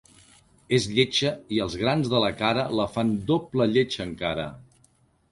És lletja i els grans de la cara la fan doble lletja encara.